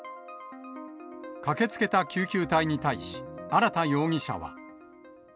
駆けつけた救急隊に対し、荒田容疑者は。